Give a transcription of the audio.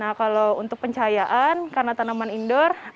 nah kalau untuk pencahayaan karena tanaman indoor